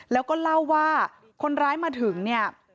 แล้วก็เล่าว่าคนร้ายมาถึงเนี่ย